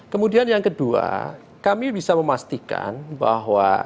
kemudian yang kedua kami bisa memastikan bahwa